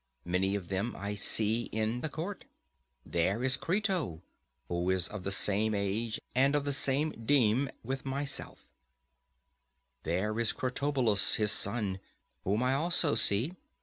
Many of them I see in the court. There is Crito, who is of the same age and of the same deme with myself, and there is Critobulus his son, whom I also see.